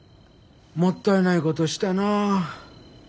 もったいないことしたなあ。